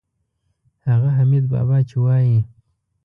هغه حمیدبابا چې وایي.